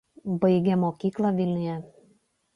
Baigė mokyklą Vilniuje.